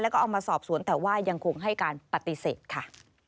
แล้วก็เอามาสอบสวนแต่ว่ายังคงให้การปฏิเสธค่ะ